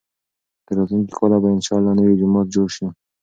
تر راتلونکي کاله به انشاالله نوی جومات جوړ شي.